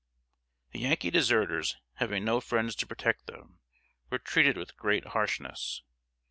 ] The Yankee deserters, having no friends to protect them, were treated with great harshness.